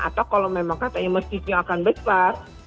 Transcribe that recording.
atau kalau memang katanya masjidnya akan besar